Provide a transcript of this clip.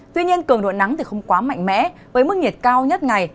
tuy nhiên cường độ nắng thì không quá mạnh mẽ với mức nhiệt cao nhất ngày